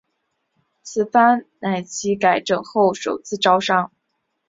此番乃是其整改后的首次招商。